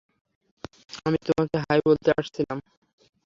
আমি তোমাকে হাই বলতেই আসছিলাম।